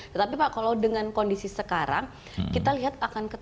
tetapi pak kalau dengan kondisi sekarang kita lihat akan ketat